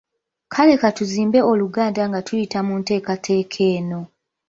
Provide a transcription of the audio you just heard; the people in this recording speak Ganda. Kale ka tuzimbe Oluganda nga tuyita mu nteekateeka eno.